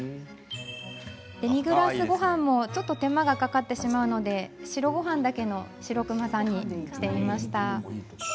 デミグラスごはんもちょっと手間がかかってしまうので白ごはんだけの白くまさんにしてみました。